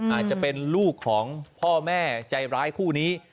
อาจจะเป็นลูกของพ่อแม่ใจร้ายคู่นี้